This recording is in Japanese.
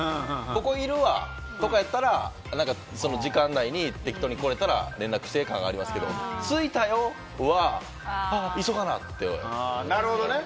ここにいるわ、とかやったら時間内に適当に来れたら連絡して感がありますけど着いたよは、急がなって。